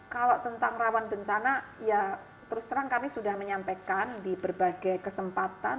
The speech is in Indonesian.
kalau tentang rawan bencana ya terus terang kami sudah menyampaikan di berbagai kesempatan